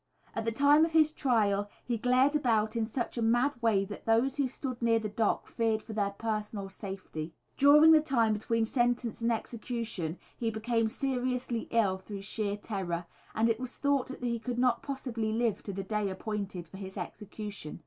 At the time of his trial he glared about in such a mad way that those who stood near the dock feared for their personal safety. During the time between sentence and execution he became seriously ill through sheer terror, and it was thought that he could not possibly live to the day appointed for his execution.